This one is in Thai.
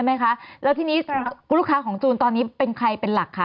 ไหมคะแล้วทีนี้ลูกค้าของจูนตอนนี้เป็นใครเป็นหลักคะ